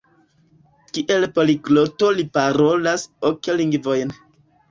Kiel poligloto li parolas ok lingvojn.